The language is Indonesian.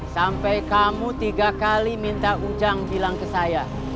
sampai kamu tiga kali minta ujang bilang ke saya